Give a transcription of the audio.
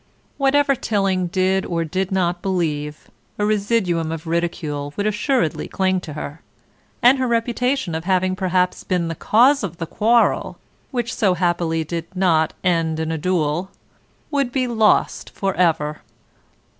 Whatever Tilling did or did not believe, a residuum of ridicule would assuredly cling to her, and her reputation of having perhaps been the cause of the quarrel which, so happily did not end in a duel, would be lost for ever.